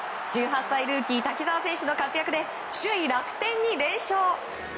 １８歳ルーキー滝澤選手の活躍で首位、楽天に連勝。